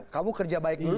kamu kerja baik dulu